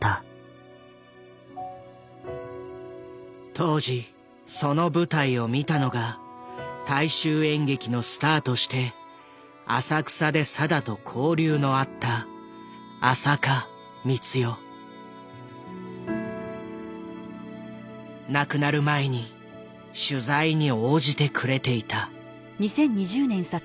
当時その舞台を見たのが大衆演劇のスターとして浅草で定と交流のあった亡くなる前に取材に応じてくれていた。